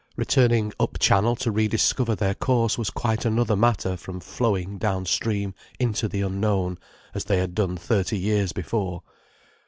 Returning up channel to re discover their course was quite another matter from flowing down stream into the unknown, as they had done thirty years before.